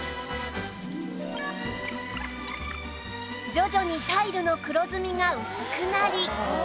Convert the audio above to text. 徐々にタイルの黒ずみが薄くなり